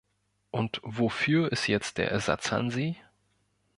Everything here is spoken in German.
Und wofür ist jetzt der "Ersatzhansi"?